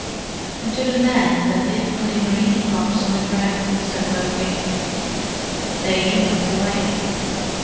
"And to the men that live by the green crops on the ground?" said Mowgli. "They went away."